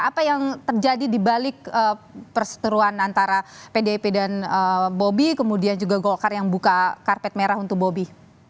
apa yang terjadi di balik perseteruan antara pdip dan bobi kemudian juga golkar yang buka karpet merah untuk bobi